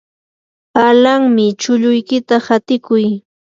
alanmi, chulluykita qatiykuy.